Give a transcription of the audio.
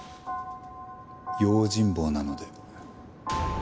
用心棒なので。